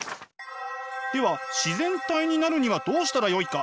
では自然体になるにはどうしたらよいか？